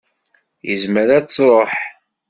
Izmer ad d-tṛuḥ.